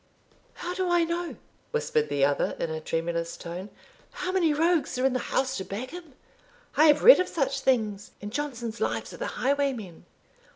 "How do I know," whispered the other in a tremulous tone, "how many rogues are in the house to back him? I have read of such things in Johnson's Lives of the Highwaymen.